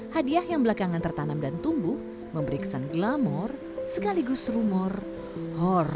hadiah yang belakangan tertanam dan tumbuh memberi kesan glamor sekaligus rumor horror